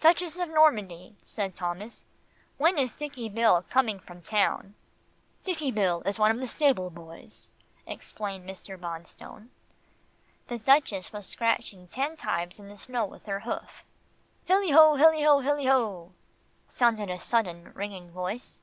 "Duchess of Normandy," said Thomas, "when is Dicky Bill coming from town?" "Dicky Bill is one of the stable boys," explained Mr. Bonstone. The Duchess was scratching ten times in the snow with her hoof. "Hille ho, hille ho, hille ho," sounded a sudden ringing voice.